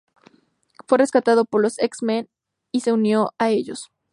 Fue rescatado por los X-Men y se unió a ellos.